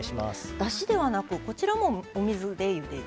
だしではなくこちらもお水でゆでる？